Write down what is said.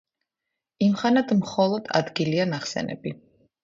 იმხანად მხოლო ადგილია ნახსენები.